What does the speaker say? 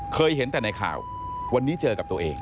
เคยเห็นแต่ในข่าววันนี้เจอกับตัวเอง